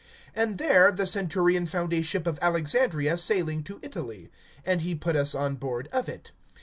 (6)And there the centurion found a ship of Alexandria sailing to Italy; and he put us on board of it.